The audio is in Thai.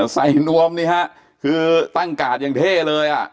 นวมนี่ฮะคือตั้งกาดอย่างเท่เลยอ่ะ